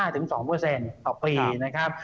๑๕๒ต่อปีนะครับ